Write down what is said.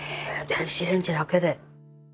電子レンジだけで。